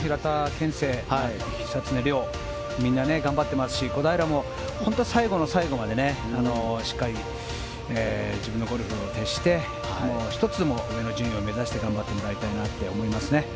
憲聖、久常涼みんな頑張ってますし小平も最後の最後までしっかり自分のゴルフを徹して１つでも上の順位を目指して頑張ってもらいたいです。